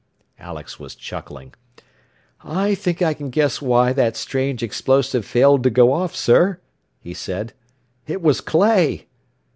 Alex was chuckling. "I think I can guess why that 'strange explosive' failed to go off, sir," he said. "It was clay."